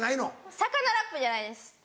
魚ラップじゃないです。